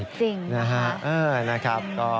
จริงค่ะ